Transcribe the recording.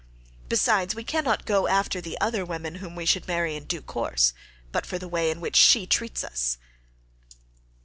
Besides we cannot go after the other women whom we should marry in due course, but for the way in which she treats us."